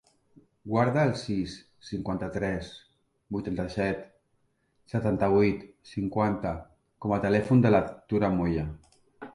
Guarda el sis, cinquanta-tres, vuitanta-set, setanta-vuit, cinquanta com a telèfon de la Tura Moya.